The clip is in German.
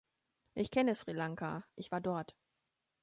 Ich kenne Sri Lanka, ich war dort.